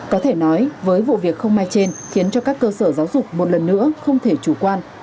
có thể nói với vụ việc không mai trên khiến cho các cơ sở giáo dục một lần nữa không thể chủ quan